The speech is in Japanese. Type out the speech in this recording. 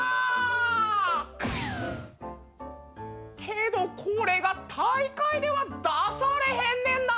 けどこれが大会では出されへんねんな。